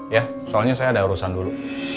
ya soalnya saya ada urusan dulu